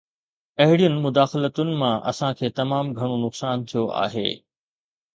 اهڙين مداخلتن مان اسان کي تمام گهڻو نقصان ٿيو آهي.